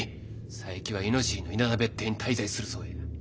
佐伯は猪尻の稲田別邸に滞在するそうや。